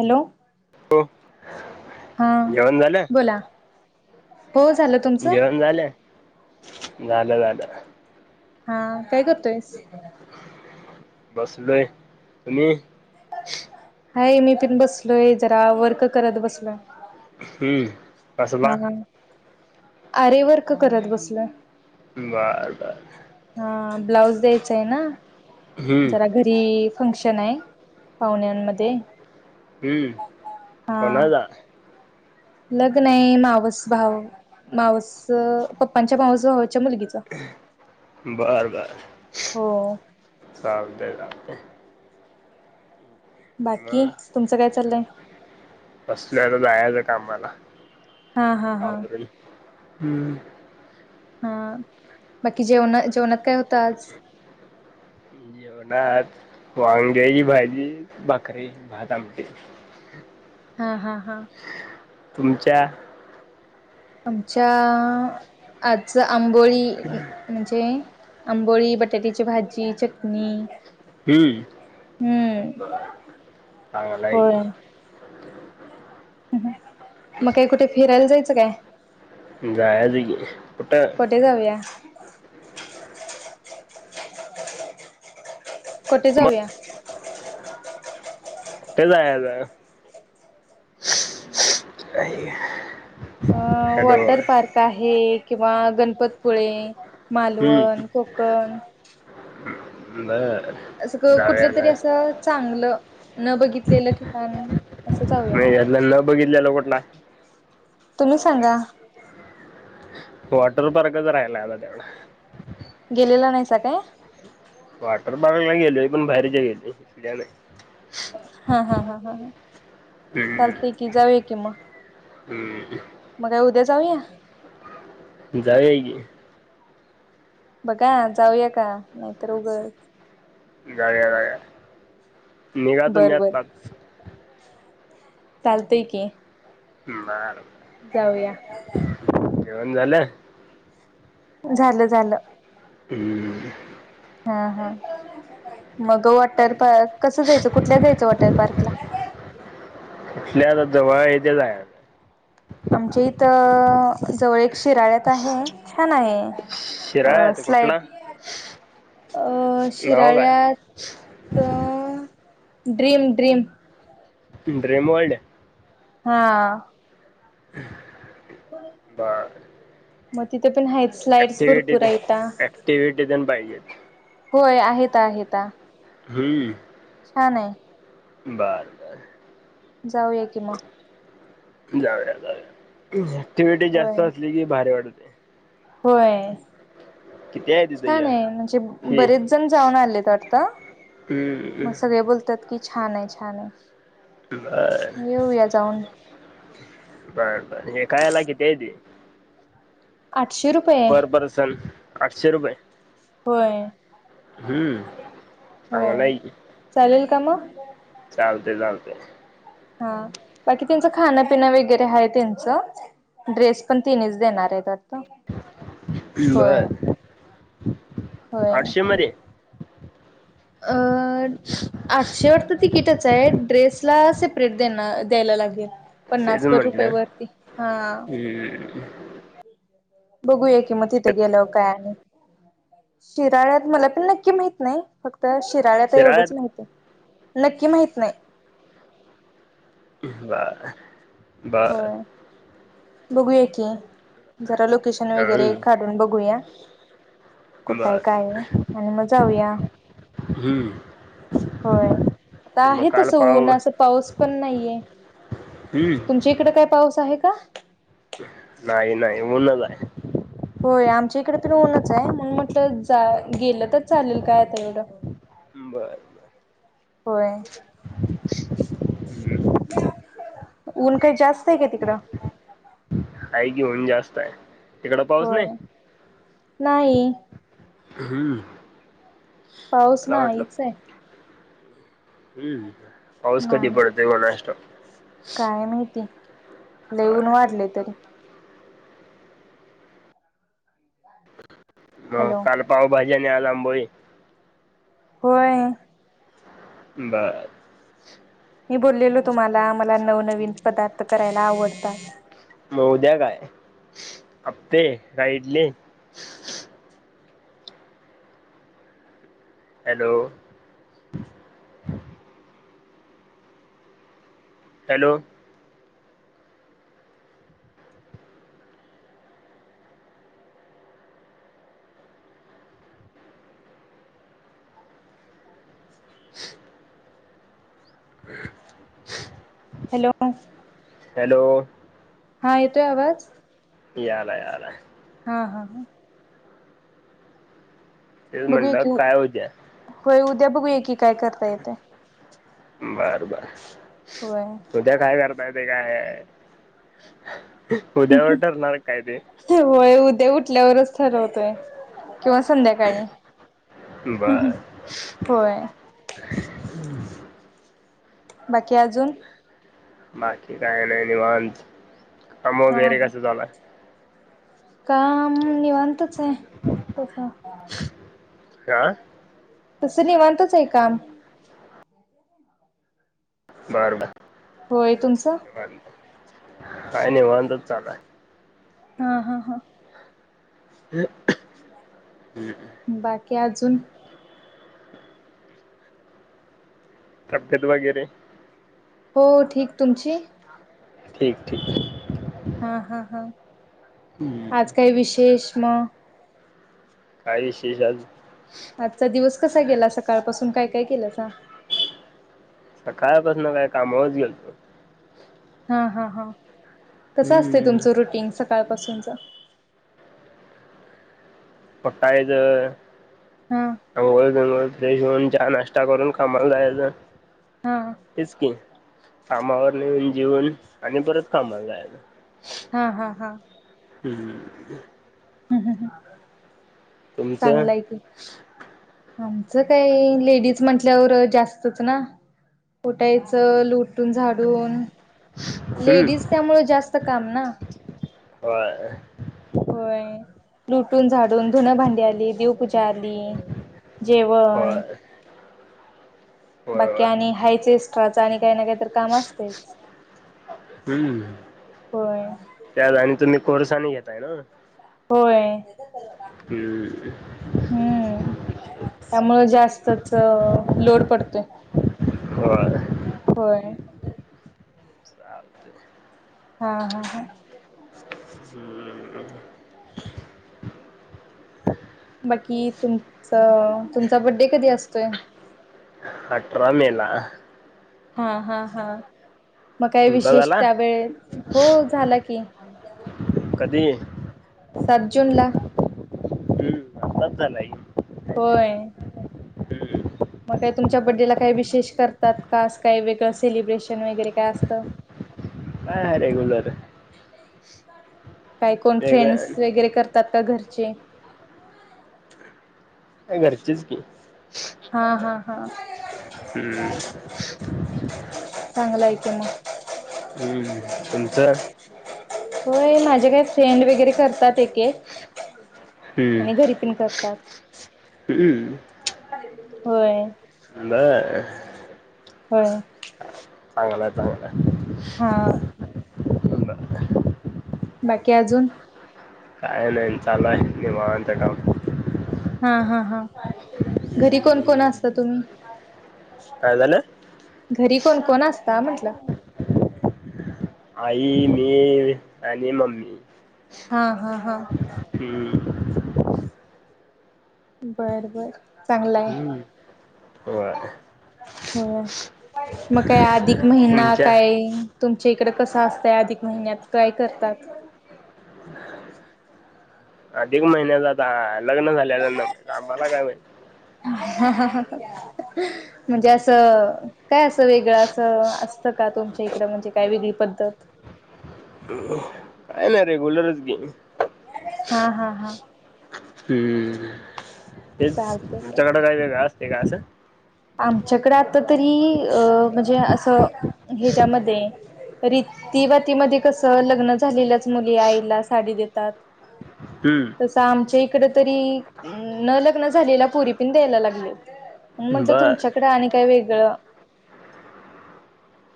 Hello हो हा जेवण झालं बोला हो झालं तुमचं जेवण झालं झालं झालं हा काय करतोयस बसलेय तुमही हाय मी पण बसलोय जरा वर्क करत बसलोय हम्म अससबा आरेवर क करत बसलं बर बर ब्लाऊज द्यायचा आहे ना हम्म जरा घरी फंक्शन आहे पाहुण्यांमध्ये हम्म हा पणाज लग्न आहे मावस भाव मावस पप्पांच्या भावच भावा मुलगीचा बरं बर हो राबद राबते बाकी तुमचं काय चाललंय असल्या तर जायचं का मला हा हा हा हम्म हा बाकी जेवण जेवणात काय होतं आज वांग्याी भाजी भाकरी भात आमट हा हा हा तुमच्या आमच्या आजच आंबोळी म्हणजे आंबोळी बटाट्याची भाजी चटणी हम्म हम्म बर चांग होय मग काही कुठे फिरायला जायचं काय जायज पुठ कुठे जाऊया कटी मग जाऊया तेला जा वॉटर पार्क आहे किंवा गणपतपुळे हम्म. मालवण कोकण नाही असं कुठलं तरी असं चांगलं न बघितलेलं ठिकाण असं जाऊूया ना त बघितल्या लोकण ना तुम्ही सांगा वॉटर पार्कच राहिला आता तेवढं गेलेला नाही स काय वॉटर पार्कला गेलोय पण बाहेरच्या गेले इकल्या नाही हा हा हा ह चालतेय की जाऊ की मग ह मग उद्या जाऊया जाय की बघा जाऊया का नाहीतर उघड गाळ्या गळ्या निघा तुम्ही बर आत बर पाच चालतय की बर जाऊया जेवण झालं झालं झालं ह् हा हा मग वॉटर पार्क कसं जायचं कुठल्या जायचं वॉटर पार्क ला कुठल्या आता जवळ येथेच आहे आमच्या इथ जवळ शिराळ्यात आहे छान शिराळा आहे आहे तो स्लाड कुठला अ नाव काय शिराळ्यात ड्रीम ड्रीम ड्र्रीम वल्ड हा हम् म ते पण हाट स्लाईड्स ऍक्टिव्हिटी भरपूर ते येत ऍक्टिव्हिटी तेन पाहिजेत होय आहेत आहेत ह हा नाही बर बर जाऊया कि मग जाऊया जाऊ ऍक्टिव्हटी होय जास्त असली कि भारी वाडते. होय. आहे तिथं छान या आहे म्हणजे फी बरेच जण जाऊन आले तर आता हम्म, मग सगळे बोलतात कि छान आहे छान आहे. बर येऊया जाऊन ब हे खयलाकी ते येत. आठशे रुपये. आठशे रुपये होय. हम्म आ्हाला कामा चालते चालते. हा बाकी त्यांचं खाणपिन वगैरे आहे त्यांचं ड्रेस पण तिनच देणार आहे तर बर होय आठशे मध्ये अ आठशेवरर तर तिकीटच आहे ड्रेसला सेपरेट देना द्यायला लागेल. तेच पन्नास वर रुपये म्हटलं वरती हा. हम्म, बघूया कि मग तिथे गेलं काय आणि शिराळ्यात मला पण नक्की माहित नाही फक्त तर शिराळ्यात एवढंच माहित आहे नक्की माहित नाही. बर बर. होय बघूया की जरा लोकेशन वगैरे हम्म, काढून बघूया. कुठय बर काय आणि मग जाऊया. हम्म. होय आता मग आहे काल तसं पाव ऊनं पाऊस पण नाहीये. हम्म, तुमच्या इकडे काय पाऊस आहे का? नाही नाही ऊनच आहे. हो आमच्या इकडे पण होनच आहे. म्हण म्हटलं जा गेलं तर चालेल काय आता एवढं. बर बर. होय. ऊन काही जास्त आहे का तिकडं? काय घेऊन जास्त आहे. तिकडं पाऊस होय नाही नाही. हम्म. पाऊस नाही च आहे. हम्म पाऊस कधी नाही पडतंय कुणास ठाऊक. काय माहिती लइ ऊन होय. वाढले तरी. मग हॅलो काल पावभाजीने आज आंबोली. होय. बर. मी बोललेलो तुम्हाला मला नवनवीन पदार्थ करायला आवडतात. मग उद्या काय अपे काय idli. Hello! Hello! Hello! Hello! हा येतोय आवाज? याला याला य. हा हा हा. तेच बघूया म्हणलं की काय उद्या होय, उद्या बघूया की काय करता येतय? बरं बरं, होय उद्या काय करताय येतयं? काय उद्यावर ठरणार काय ते? ते उठल्यावरच ठरवतोय. किंवा संध्याकाळी बर होय. बाकी अजून? बाकी काय नाही, निवांत काम हा वगैरे कसं चालू आहे? काम निवांतच आहे तसं. आ. तसं निवांतच आहे काम. बरं बरं. होय, तुमचं? काय निवांतच चालू आहे. हा हा हा. बाकी अजून? तब्येत वगैरे? हो, ठीक तुमची. ठीक ठीक. हा हा हा आज काय विशेष म? काय विशेष आज आचचा दिवस कसा गेला, सकाळ पासून काय काय केलासा? सकाळ पासनं काय कामावरचं गेलतो. हा हा हा, कसं असतंय हम्म. तुमचं रुटीन सकाळ पासूनचं? तुमचं. उठायचं हा आंघोळ बिंगोळ जेवण, चहा, नाश्ता करून कामाला जायचं हा हेच की. कामावर येऊन जेवून आणि परत कामाला जायचं. हा हा हा. हम. हम हम ह. तुमचं? आमचं काही लेडीज म्हटल्यावर जास्तच ना. उठायचं लोटून झाडून हम्म. लेडीज त्यामुळे जास्त काम ना. अ. होय, लोटून -झाडून, धुण- भांडी आली, देवपूजा आली. जेवण होय [unintelligible] होय बाकी होय. आणि हायच एक्स्ट्राचं आणि काही ना काही तर काम असतयचं. हम त्यात आणि तुम्ही कोर्स आणि घेताय नव्ह? होय, हम्म. हम. हम त्यामुळे जास्तचं लोड पडतोय. होय. होय. चालतंय हा हा हा. हम ह. बाकी तुमचं तुमचा बड्डे कधी असतोयं? अठरा मे ला. हा हा हा, मग काय तुमचा विशेष झाला? त्यावेळी, हो झाला की. आणि त्या [unintelligible] ते [unintelligible] न सात जून ला. आत्ताच झाला की. होय. हम्म. मग काही तुमच्या बडेला काही विशेष करतात का काही वेगळं सेलिब्रेशन वगैरे काय असतं. नाय रेगुलर. काय कोण फ्रेंड्स वगैरे करतात का घरी. चेे [unintelligible] घरचेच की. हा हा हा. हम्म. ह [unintelligible] हम्म तुमचं. होय माझे काय फ्रेंड वगैरे करतात एके हम्म आणि घरी पण करतात. हम्म. होय. बर. हो. चांगलंय चांगलंय. हा. अं, आहे. बाकी अजून? काय, नाही चालल निवांत काम. हा हा हा, घरी कोण कोण हम्म असतं तुम्ही? काय झाल? घरी कोण कोण असता म्हटलं? आई, मी आणि मम्मी. हा हा हा. हम्म बर बर. चांगला आहे हम्म हो. हो मग काय? अधिक महिना तुमच्या काय तुमच्याकडे? इकडे कसं असतं? अधिक महिन्यात काय करतात? अधिक महिन्यातच लग्न झालं आहे मला काय माहिती? म्हणजे असं काय असं वेगळं अस असत का तुमच्या इकडे म्हणजे? काय वेगळी पद्धत? काय ना रेग्युलरच की. हा हा हा. हम्म, तेच चालतय तुमच्याकडे काय वेगळं असतं? आमच्याकडे आता तरी म्हणजे असं ह्याच्यामध्ये... रिवाजामध्ये कस लग्न झालेल्याच मुली आईला साडी देतात? हम्म तसं आमच्या इथ. तरी न लग्न झाल्यावर पोरी पण द्यायला लागल्यात. बर तुमच्याकडे आणि काय वेगळं?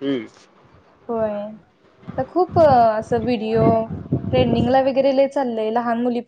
[unintelligible] होय. आता खूप असं व्हिडिओ ट्रेंडिंगला वगैरे चाललंय लहान मुली...